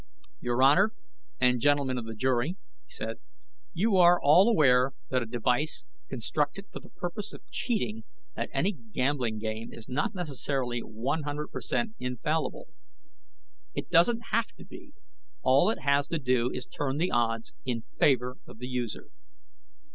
"Your Honor, and Gentlemen of the Jury," he said, "you are all aware that a device constructed for the purpose of cheating at any gambling game is not necessarily one hundred per cent infallible. It doesn't have to be. All it has to do is turn the odds in favor of the user.